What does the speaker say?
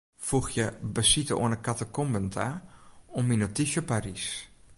Foegje besite oan 'e katakomben ta oan myn notysje Parys.